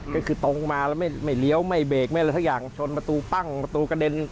ก็คือตรงมาแล้วไม่เลี้ยวไม่เบรกไม่อะไรสักอย่างชนประตูปั้งประตูกระเด็น